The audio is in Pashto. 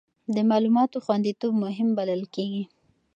د معلوماتو خوندیتوب مهم بلل کېږي.